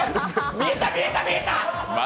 見えた、見えた、見えた！